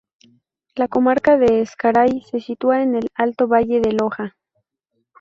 La comarca de Ezcaray se sitúa en el Alto Valle del Oja.